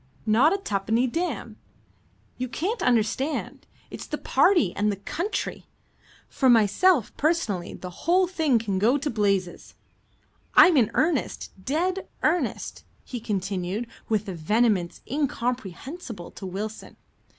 Not a tuppenny damn. You can't understand. It's the party and the country. For myself, personally, the whole thing can go to blazes. I'm in earnest, dead earnest," he continued, with a vehemence incomprehensible to Wilson.